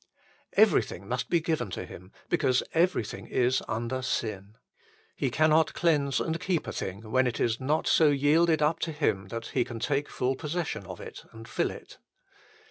Everything must be given to Him, because everything is under sin. He cannot cleanse and keep a thing when it is not so yielded up to Him that He can take full possession of it and fill it.